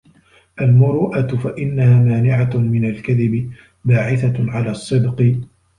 الْمُرُوءَةُ فَإِنَّهَا مَانِعَةٌ مِنْ الْكَذِبِ بَاعِثَةٌ عَلَى الصِّدْقِ